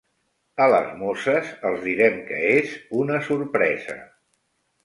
A les mosses els direm que és una sorpresa.